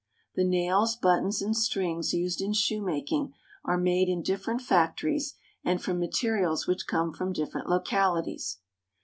The nails, buttons, and strings used in shoemaking are made in different factories and from materials which come from different locahties.